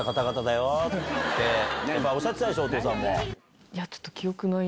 おっしゃってたでしょお父さん。